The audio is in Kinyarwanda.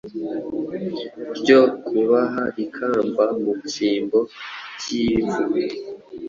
ryo kubaha ikamba mu cyimbo cy’ivu,